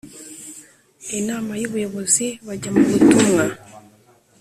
Inama y Ubuyobozi bajya mu butumwa